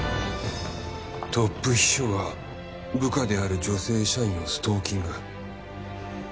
トップ秘書が部下である女性社員をストーキング。